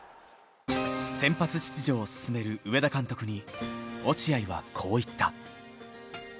先発出場を勧める上田監督に落合はこう言った。